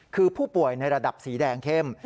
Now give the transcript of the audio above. คือผู้ป่วยในระดับสีแดงเข้ม